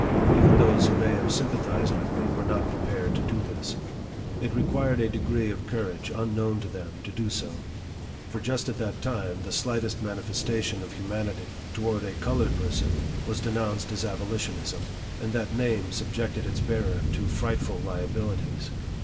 Even those who may have sympa thized with me were not prepared to do this. It required a degree of courage unknown to them to do so ; for just at that time, the slightest manifestation of humanity toward a colored person was denounced as abolitionism, and that name subjected its bearer to frightful liabilities.